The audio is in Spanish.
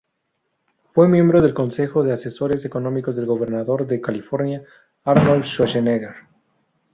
Fue miembro del Consejo de Asesores Económicos del gobernador de California Arnold Schwarzenegger.